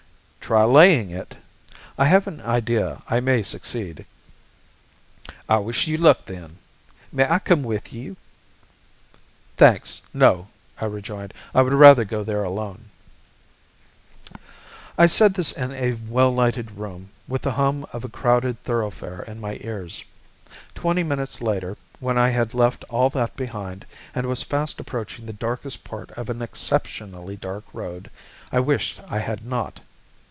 "Try laying it. I have an idea I may succeed." "I wish you luck, then. May I come with you?" "Thanks, no!" I rejoined. "I would rather go there alone." I said this in a well lighted room, with the hum of a crowded thoroughfare in my ears. Twenty minutes later, when I had left all that behind, and was fast approaching the darkest part of an exceptionally dark road, I wished I had not.